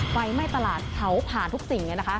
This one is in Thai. ไฟไหม้ตลาดเผาผ่านทุกสิ่ง